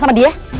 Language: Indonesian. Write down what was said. tante andis jangan